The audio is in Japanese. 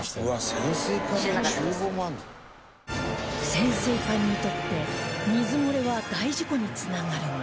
潜水艦にとって水漏れは大事故に繋がるもの